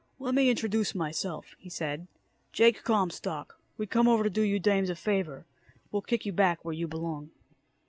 "Lemme introduce myself," he said. "Jake Comstock. We come over to do you dames a favor. We'll kick you back where you belong."